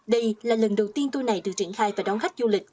đây là lần đầu tiên tui này được triển khai và đón khách du lịch